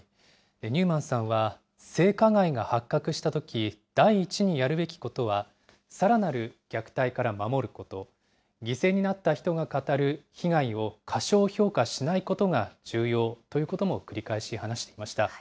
ニューマンさんは性加害が発覚したとき、第一にやるべきことは、さらなる虐待から守ること、犠牲になった人が語る被害を過小評価しないことが重要ということも繰り返し話していました。